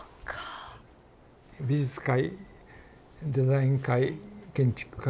美術界デザイン界建築界